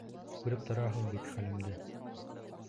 Күреп тораһың бит хәлемде.